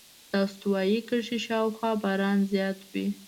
د استوایي کرښې شاوخوا باران زیات وي.